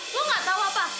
lo gak tahu apa